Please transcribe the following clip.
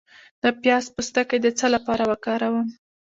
د پیاز پوستکی د څه لپاره وکاروم؟